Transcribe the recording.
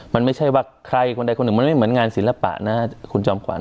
มันไม่ใช่ว่าใครคนใดคนหนึ่งมันไม่เหมือนงานศิลปะนะคุณจอมขวัญ